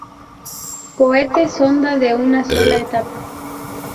Cohete sonda de una sola etapa.